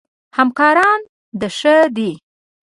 همکاران د ښه دي؟